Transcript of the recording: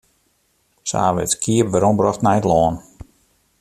Se hawwe it skiep werombrocht nei it lân.